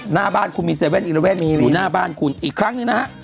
หน้าบ้านคุณมี๗๑๑อยู่หน้าบ้านคุณอีกครั้งหนึ่งนะฮะ